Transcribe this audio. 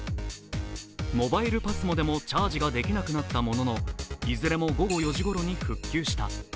モバイルＰＡＳＭＯでもチャージができなくなったものの、いずれも午後４時ごろに復旧した。